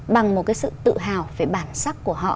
bằng một cái sự tự hào về bản sắc của họ